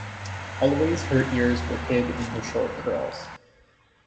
Always her ears were hid in her short curls.